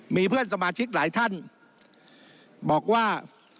มีเพื่อนสมาชิกหลายท่านบอกว่า